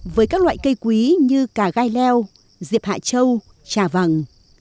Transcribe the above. với các loại cây quý như cà gai leo diệp hạ châu trà vàng